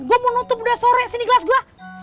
gue mau nutup udah sore sini gelas gue